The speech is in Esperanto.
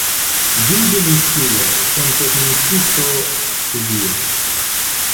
Vidu miksilo, sonteknikisto, studio.